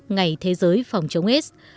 ngày thế giới phòng chống s